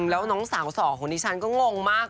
แล้วน้องสาวสองดิฉันก็งงมาก